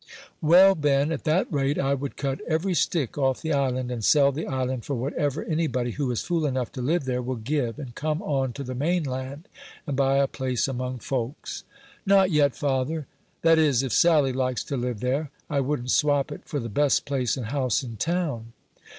"Well, Ben, at that rate I would cut every stick off the island, and sell the island for whatever anybody, who is fool enough to live there, will give, and come on to the main land, and buy a place among folks." "Not yet, father; that is, if Sally likes to live there. I wouldn't swap it for the best place and house in town."